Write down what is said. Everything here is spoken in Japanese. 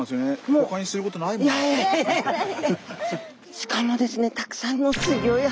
しかもですね